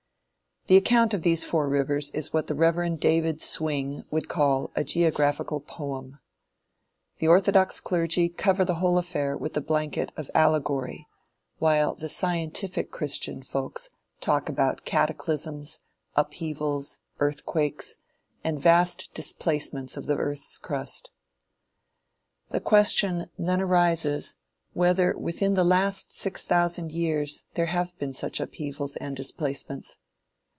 The account of these four rivers is what the Rev. David Swing would call "a geographical poem." The orthodox clergy cover the whole affair with the blanket of allegory, while the "scientific" christian folks talk about cataclysms, upheavals, earthquakes, and vast displacements of the earth's crust. The question, then arises, whether within the last six thousand years there have been such upheavals and displacements?